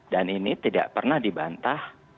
dan ini tidak pernah dibantah